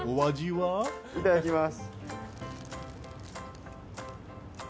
いただきます。